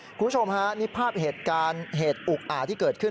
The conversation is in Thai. คุณผู้ชมฮะนี่ภาพเหตุการณ์เหตุอุกอาจที่เกิดขึ้น